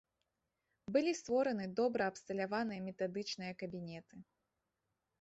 Былі створаны добра абсталяваныя метадычныя кабінеты.